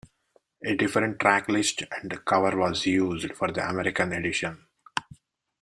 A different track list and cover was used for the American edition.